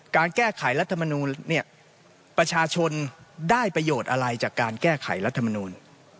การแก้ไขรัฐมนูลเนี่ยประชาชนได้ประโยชน์อะไรจากการแก้ไขรัฐมนูล